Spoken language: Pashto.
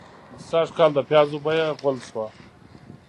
سږکال د پيازو بيه غول شوه.